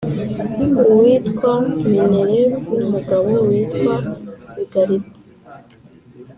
uwitwa Minerve w’umugabo witwa Bigariro,